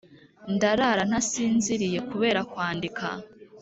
ndarara ntasinziriye kubera kwandika